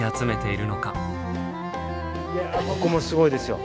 いやここもすごいですよ。